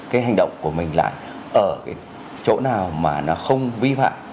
cái hành động của mình lại ở cái chỗ nào mà nó không vi phạm